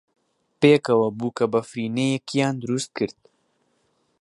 پێکەوە بووکەبەفرینەیەکیان دروست کرد.